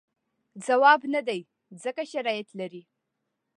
ځواب نه دی ځکه شرایط لري.